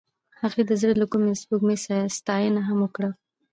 هغې د زړه له کومې د سپوږمۍ ستاینه هم وکړه.